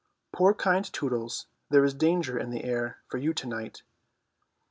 Poor kind Tootles, there is danger in the air for you to night.